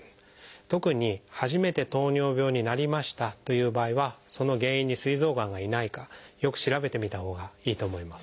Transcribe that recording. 特に初めて糖尿病になりましたという場合はその原因にすい臓がんがいないかよく調べてみたほうがいいと思います。